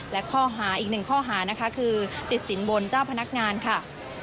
และข้อหาอีกหนึ่งข้อหานะคะคือติดสินบนเจ้าพนักงานค่ะ